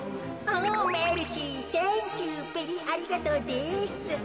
おメルシーサンキューベリーありがとうです。